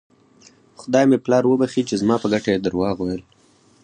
خدای مې پلار وبښي چې زما په ګټه یې درواغ ویل.